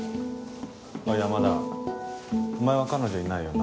おい山田お前は彼女いないよな？